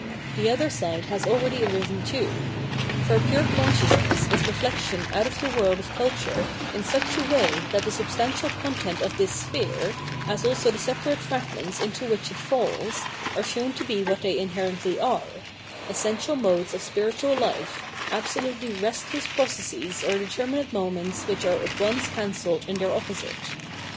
The other side has already arisen too. For pure consciousness is reflexion out of the world of culture in such a way that the substantial content of this sphere, as also the separate fragments into which it falls, are shown to be what they inherently are, — essential modes of spiritual life, abso lutely restless processes or determinate moments which are at once cancelled in their opposite.